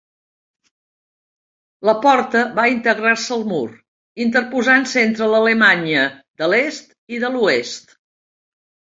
La porta va integrar-se al mur, interposant-se entre l'Alemanya de l'Est i de l'Oest.